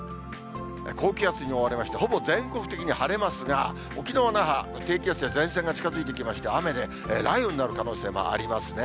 高気圧に覆われまして、ほぼ全国的に晴れますが、沖縄・那覇、低気圧や前線が近づいてきまして、雨で、雷雨になる可能性もありますね。